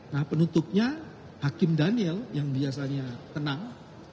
nah penutupnya hakim daniel yang biasanya tenang